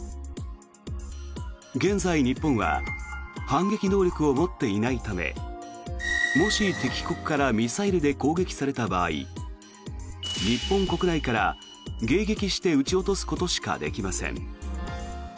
現在、日本は反撃能力を持っていないためもし、敵国からミサイルで攻撃された場合日本国内から迎撃して撃ち落とすことしかできません。